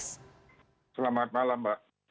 selamat malam mbak